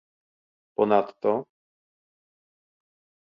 Ponadto